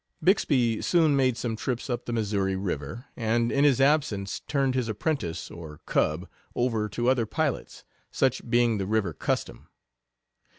Bixby soon made some trips up the Missouri River, and in his absence turned his apprentice, or "cub," over to other pilots, such being the river custom.